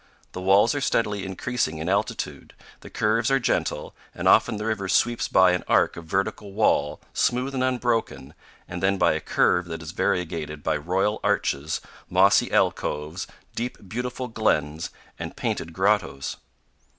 The walls are steadily increasing in altitude, the curves are gentle, and often the river sweeps by an arc of vertical wall, smooth and unbroken, and then by a curve that is variegated by royal arches, mossy alcoves, deep, beautiful glens, and painted grottoes.